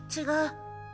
違う。